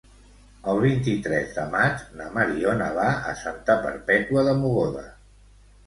El vint-i-tres de maig na Mariona va a Santa Perpètua de Mogoda.